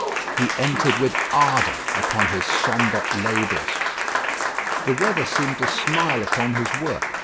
He entered with ardour upon his sombre labours. The weather seemed to smile upon his work.